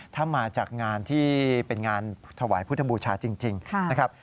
ถ้ามาจากงานที่เป็นงานถวายพุทธบูชาจริงนะครับ